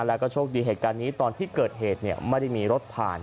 แล้วก็โชคดีเหตุการณ์นี้ตอนที่เกิดเหตุไม่ได้มีรถผ่าน